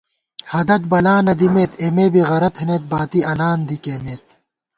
ہدَت بلا نہ دِمېت اېمےبی غرہ تھنَئیت باتی الان دی کېئیمېت